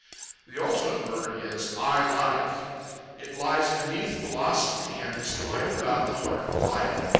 The ultimate word is I LIKE. It lies beneath philosophy, and is twined about the heart of life.